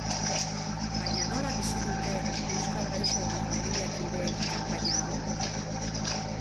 Baina nola bizi dute euskal gaixo eta familia-kideek kanpaina hau?